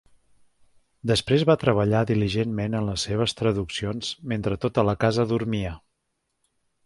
Després va treballar diligentment en les seves traduccions mentre tota la casa dormia.a